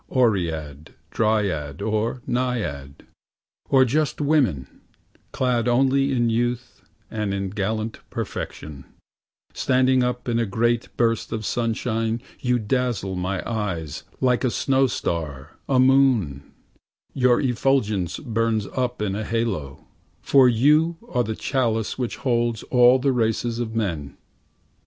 Oread, Dryad, or Naiad, or justWoman, clad only in youth and in gallant perfection, Standing up in a great burst of sunshine, you dazzle my eyesLike a snow star, a moon, your effulgence burns up in a halo, For you are the chalice which holds all the races of men.